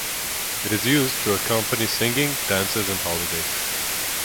It is used to accompany singing, dances, and holidays.